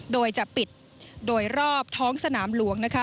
โดยจะปิดโดยรอบท้องสนามหลวงนะคะ